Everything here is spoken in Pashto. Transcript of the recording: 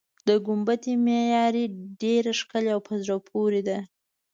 د ګنبدې معمارۍ ډېره ښکلې او په زړه پورې ده.